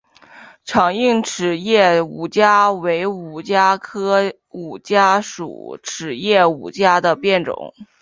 长梗匙叶五加为五加科五加属匙叶五加的变种。